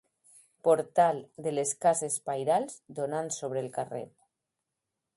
Portal de les cases pairals donant sobre el carrer.